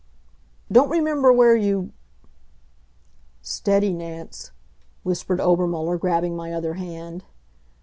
Don't remember where you " "Steady, Nance," whispered Obermuller, grabbing my other hand.